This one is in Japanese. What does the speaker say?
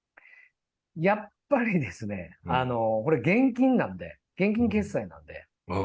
やっぱりですね、これ、現金なんで、現金決済なんで。